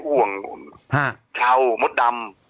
ห่วงเช้ามดดำ